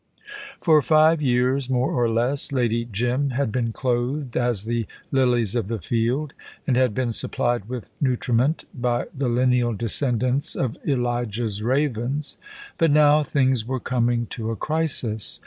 For five years, more or less, Lady Jim had been clothed as the lilies of the field, and had been supplied with nutriment by the lineal descendants of Elijah's ravens; but now things were coming to a crisis.